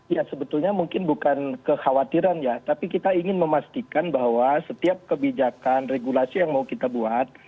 ya sebetulnya mungkin bukan kekhawatiran ya tapi kita ingin memastikan bahwa setiap kebijakan regulasi yang mau kita buat